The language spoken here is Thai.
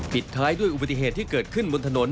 ปิดท้ายด้วยอุบัติเหตุที่เกิดขึ้นบนถนน